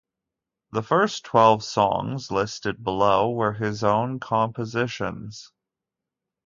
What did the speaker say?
The first twelve songs listed below were his own compositions.